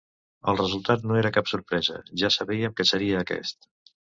El resultat no era cap sorpresa, ja sabíem que seria aquest.